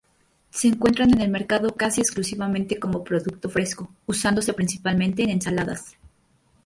Se encuentran en el mercado casi exclusivamente como producto fresco, usándose principalmente en ensaladas.